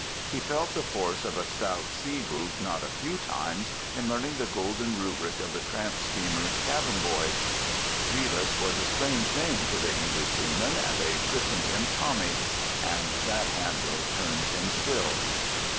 He felt the force of a stout sea boot not a few times in learning the golden rubric of the tramp steamer's cabin boy. "Drevis" was a strange name to the English seamen, and they christened him "Tommy," and that handle turns him still.